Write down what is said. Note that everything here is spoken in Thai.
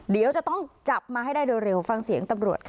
เดี๋ยวจะต้องจับมาให้ได้เร็วฟังเสียงตำรวจค่ะ